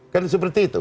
kan seperti itu